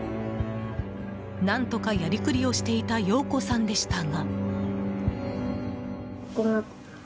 何とかやりくりをしていた洋子さんでしたが。